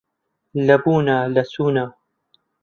لە بوونا لە چوونا